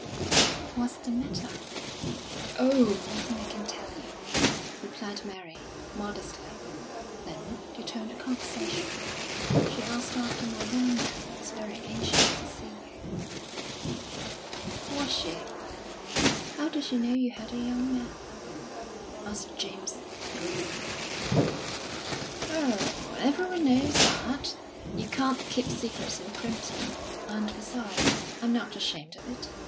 "What's the matter?" "Oh, nothing I can tell you," replied Mary, modestly. Then, to turn the conversation: "She asked after my young man, and was very anxious to see you." "Was she? How did she know you had a young man?" asked James, grimly. "Oh, everyone knows that! You can't keep secrets in Primpton. And besides, I'm not ashamed of it.